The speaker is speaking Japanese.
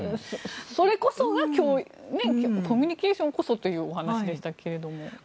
それこそがコミュニケーションこそというお話でしたけれど。